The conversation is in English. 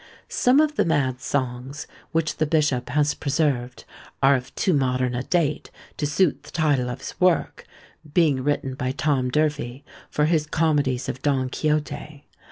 Some of the "Mad Songs" which the bishop has preserved are of too modern a date to suit the title of his work; being written by Tom D'Urfey, for his comedies of Don Quixote.